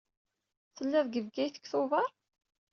Telliḍ deg Bgayet deg Tubeṛ?